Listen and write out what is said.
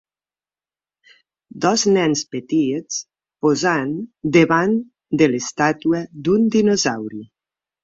Dos nens petits posant davant de l'estàtua d'un dinosaure.